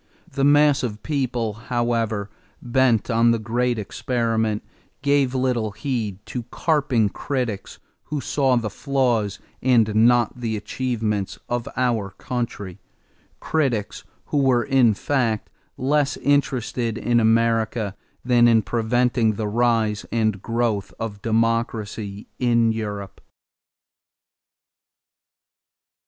The mass of the people, however, bent on the great experiment, gave little heed to carping critics who saw the flaws and not the achievements of our country critics who were in fact less interested in America than in preventing the rise and growth of democracy in Europe.